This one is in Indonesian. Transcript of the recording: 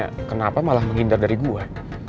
pas gue tanya kenapa malah menghindar dari gue